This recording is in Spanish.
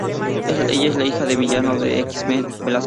Ella es la hija del villano de los X-Men, Belasco.